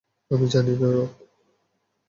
আমি জানিনা রব।